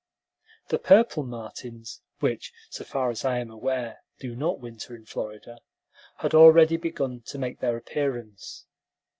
The purple martins which, so far as I am aware, do not winter in Florida had already begun to make their appearance.